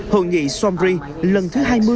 hội nghị somri lần thứ hai mươi